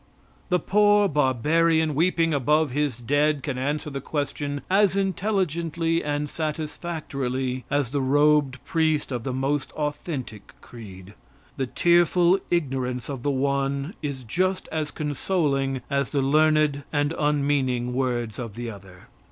The poor barbarian weeping above his dead can answer the question as intelligently and satisfactorily as the robed priest of the most authentic creed. The tearful ignorance of the one is just as consoling as the learned and unmeaning words of the other.